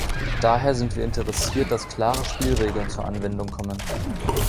Daher sind wir interessiert, dass klare Spielregeln zur Anwendung kommen.